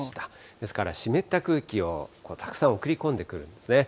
ですから、湿った空気をたくさん送り込んでくるんですね。